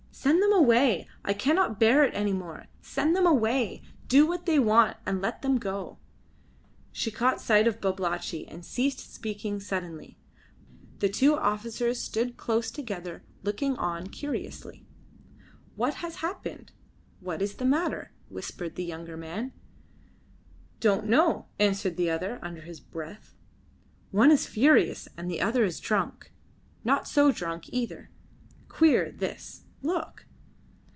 Send them away. I cannot bear it any more. Send them away. Do what they want and let them go." She caught sight of Babalatchi and ceased speaking suddenly, but her foot tapped the floor with rapid beats in a paroxysm of nervous restlessness. The two officers stood close together looking on curiously. "What has happened? What is the matter?" whispered the younger man. "Don't know," answered the other, under his breath. "One is furious, and the other is drunk. Not so drunk, either. Queer, this. Look!"